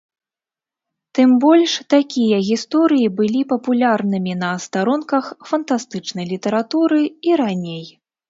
Тым больш, такія гісторыі былі папулярнымі на старонках фантастычнай літаратуры і раней.